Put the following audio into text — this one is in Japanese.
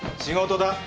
仕事だ。